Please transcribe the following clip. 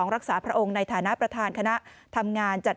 รักษาพระองค์ในฐานะประธานคณะทำงานจัด